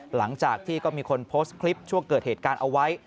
หลังจากที่ก็มีคนโพสต์คลิปช่วงเกิดเหตุการณ์เอาไว้